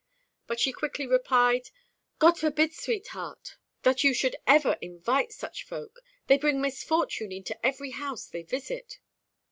But she quickly replied "God forbid, sweetheart, that you should ever invite such folk. They bring misfortune into every house they visit."